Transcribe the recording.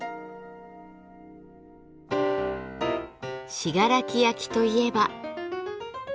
信楽焼といえば。